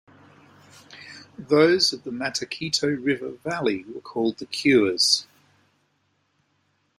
Those of the Mataquito River valley were called the "Cures".